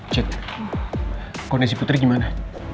cet kondisi putri gimana